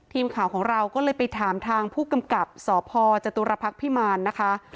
ทีมข่าวของเราก็เลยไปถามทางผู้กำกับสพจตุรพักษ์พิมารนะคะ